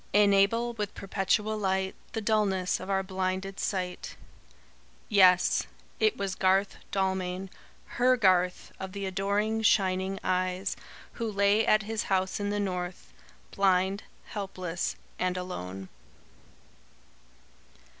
"Enable with perpetual light The dulness of our blinded sight." Yes it was Garth Dalmain HER Garth, of the adoring shining eyes who lay at his house in the North; blind, helpless, and alone.